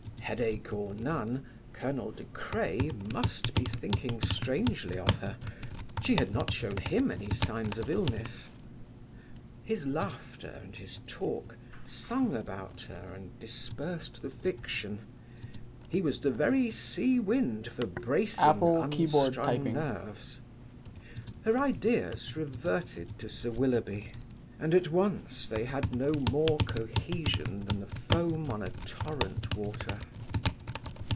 Headache or none, Colonel De Craye must be thinking strangely of her; she had not shown him any sign of illness. His laughter and his talk sung about her and dispersed the fiction; he was the very sea wind for bracing unstrung nerves. Her ideas reverted to Sir Willoughby, and at once they had no more cohesion than the foam on a torrent water.